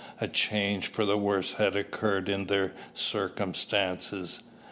A change for the worse had occurred in their circumstances.